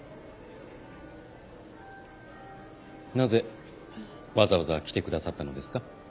なぜわざわざ来てくださったのですか？